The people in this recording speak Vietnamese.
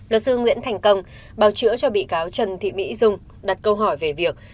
luật sư nguyễn thành công bào chữa cho bị cáo trần thị mỹ dung đặt câu hỏi về việc